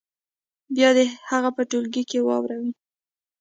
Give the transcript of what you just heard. بیا دې هغه په ټولګي کې واوروي.